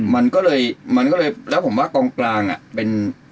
มันก็เลยแล้วผมว่ากลางเป็น